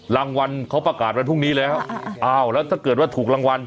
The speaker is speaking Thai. รางวัลเขาประกาศวันพรุ่งนี้แล้วอ้าวแล้วถ้าเกิดว่าถูกรางวัล